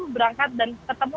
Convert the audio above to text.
berangkat dan ketemu